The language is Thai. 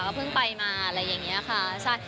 เพิ่งไปมาอะไรอย่างนี้ค่ะ